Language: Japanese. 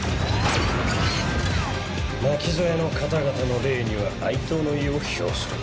巻き添えの方々の霊には哀悼の意を表する。